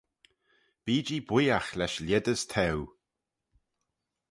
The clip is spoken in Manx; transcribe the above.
Bee-jee booiagh lesh lhied as t'eu.